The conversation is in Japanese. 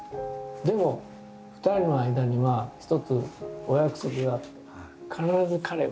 でも２人の間には一つお約束があって。